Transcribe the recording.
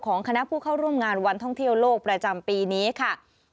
คณะผู้เข้าร่วมงานวันท่องเที่ยวโลกประจำปีนี้ค่ะ